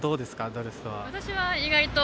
ドレスは。